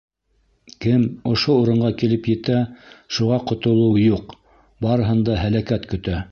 Кем ошо урынға килеп етә, шуға ҡотолоу юҡ, барыһын да һәләкәт көтә.